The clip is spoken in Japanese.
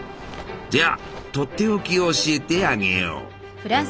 じゃあとっておきを教えてあげよう。